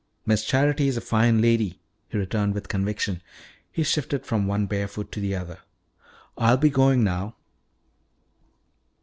"Miss Charity is a fine lady," he returned with conviction. He shifted from one bare foot to the other. "Ah'll be goin' now."